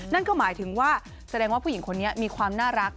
นั่นก็หมายถึงว่าแสดงว่าผู้หญิงคนนี้มีความน่ารัก